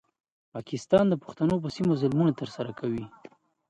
پاکستان د پښتنو پر سیمه ظلمونه ترسره کوي.